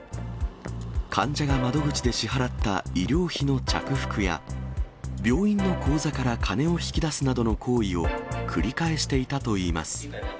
患者が窓口で支払った医療費の着服や、病院の口座から金を引き出すなどの行為を繰り返していたといいます。